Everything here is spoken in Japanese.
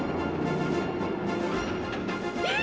え！？